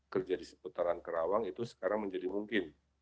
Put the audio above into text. terjadi seputaran kerawang itu sekarang menjadi mungkin